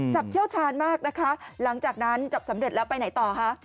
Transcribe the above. เชี่ยวชาญมากนะคะหลังจากนั้นจับสำเร็จแล้วไปไหนต่อคะ